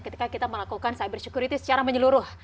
ketika kita melakukan cyber security secara menyeluruh